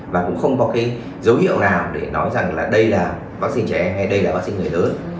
và cũng không có cái dấu hiệu nào để nói rằng là đây là vaccine trẻ em hay đây là vaccine người lớn